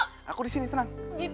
jino aku disini tenang